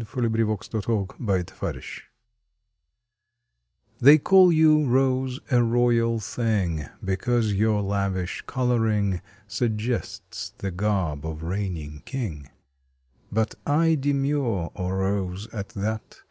May Twentieth TO THE ROSE "PHEY call you, Rose, a royal thing Because your lavish coloring Suggests the garb of reigning king But I demur, O Rose, at that.